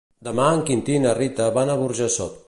Demà en Quintí i na Rita van a Burjassot.